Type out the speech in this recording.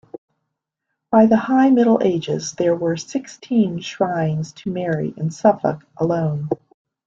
By the High Middle Ages there were sixteen shrines to Mary in Suffolk alone.